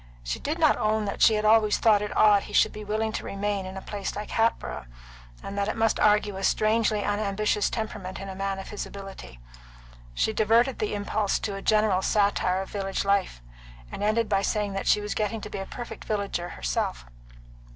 She did not own that she had always thought it odd he should be willing to remain in a place like Hatboro', and that it must argue a strangely unambitious temperament in a man of his ability. She diverted the impulse to a general satire of village life, and ended by saying that she was getting to be a perfect villager herself.